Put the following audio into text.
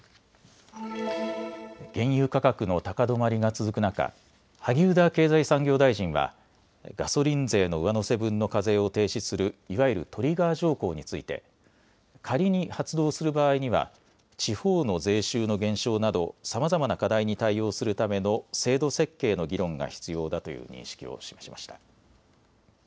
原油価格の高止まりが続く中、萩生田経済産業大臣はガソリン税の上乗せ分の課税を停止するいわゆるトリガー条項について仮に発動する場合には地方の税収の減少などさまざまな課題に対応するための制度設計の議論が必要だという認識を示しました。